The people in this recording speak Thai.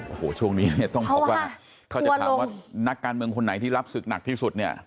โอ้โหช่วงนี้เนี่ยต้องบอกว่าถ้าจะถามว่านักการเมืองคนไหนที่รับศึกหนักที่สุดเนี่ย